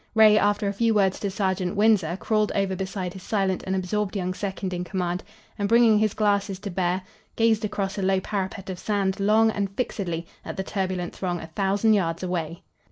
Ray, after a few words to Sergeant Winsor, crawled over beside his silent and absorbed young second in command, and, bringing his glasses to bear, gazed across a low parapet of sand long and fixedly at the turbulent throng a thousand yards away.